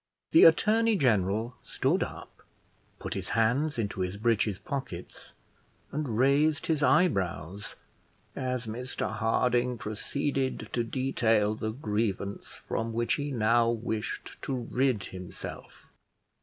The attorney general stood up, put his hands into his breeches' pockets, and raised his eyebrows, as Mr Harding proceeded to detail the grievance from which he now wished to rid himself.